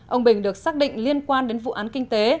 ông bình được xác định liên quan đến vụ án kinh tế